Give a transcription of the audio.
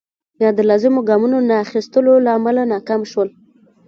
یا د لازمو ګامونو نه اخیستو له امله ناکام شول.